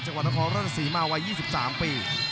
จากวัตเทาะรสสีมาวัย๒๓ปี